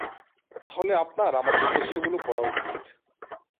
তাহলে আপনার আমাদের উদ্দেশ্যগুলো পড়া উচিত।